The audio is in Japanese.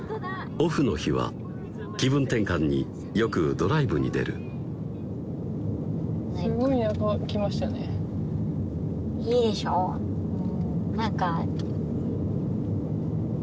オフの日は気分転換によくドライブに出るすごい田舎来ましたねいいでしょう？